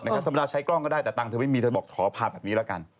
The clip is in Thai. ธรรมดาใช้กล้องก็ได้แต่ตังค์เธอไม่มีเธอบอกขอพาแบบนี้ละกัน